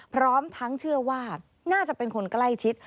พร้อมทั้งเชื่อว่าน่าจะเป็นคนใกล้ชิด